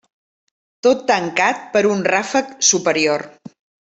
Tot tancat per un ràfec superior.